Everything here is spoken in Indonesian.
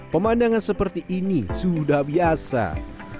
pemandangan seperti ini sudah biasa